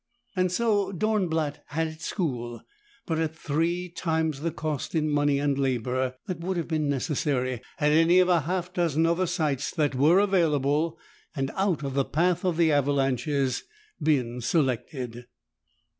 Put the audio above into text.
So Dornblatt had its school, but at three times the cost in money and labor that would have been necessary had any of a half dozen other sites that were available and out of the path of avalanches been selected.